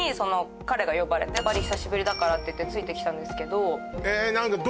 バリ久しぶりだからっていってついて来たんですけど。